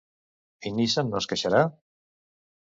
I Nissan no es queixarà?